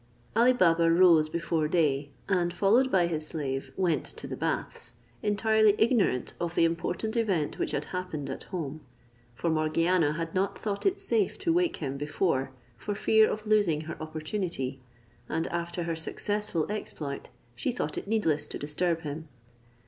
Ali Baba rose before day, and, followed by his slave, went to the baths, entirely ignorant of the important event which had happened at home; for Morgiana had not thought it safe to wake him before, for fear of losing her opportunity; and after her successful exploit she thought it needless to disturb him.